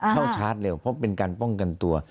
ชาร์จเร็วเพราะเป็นการป้องกันตัว